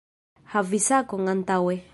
Havi sakon antaŭe